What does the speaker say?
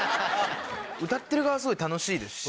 歌ってる側はすごい楽しいですし。